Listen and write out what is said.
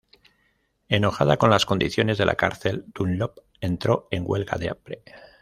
Enojada con las condiciones de la cárcel, Dunlop entró en huelga de hambre.